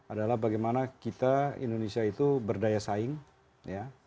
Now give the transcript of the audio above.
adalah bagaimana kita indonesia itu berdaya saing ya